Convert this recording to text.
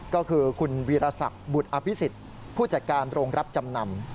ก็คือคุณวีรศักดิ์บุตรอภิษฎผู้จัดการโรงรับจำนำ